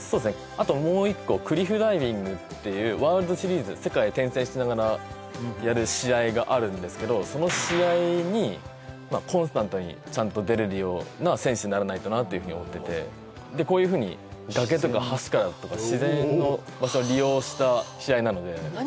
あともう一個クリフダイビングっていうワールドシリーズ世界転戦しながらやる試合があるんですけどその試合にコンスタントにちゃんと出れるような選手にならないとなっていうふうに思っててでこういうふうに崖とか橋からとか自然の場所を利用した試合なので何？